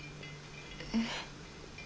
えっ？